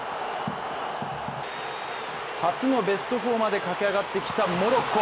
初のベスト４まで駆け上がってきたモロッコ。